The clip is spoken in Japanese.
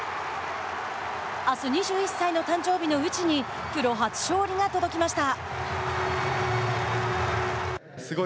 あす２１歳の誕生日の内にプロ初勝利が届きました。